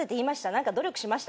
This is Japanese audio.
何か努力しました？